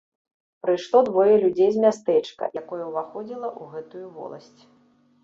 Прыйшло двое людзей з мястэчка, якое ўваходзіла ў гэтую воласць.